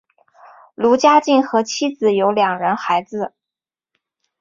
卢家进和妻子有两人孩子。